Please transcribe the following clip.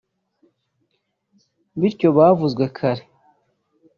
bityo bavuzwe kare